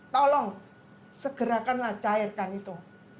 tolong segerakanlah cairkan itu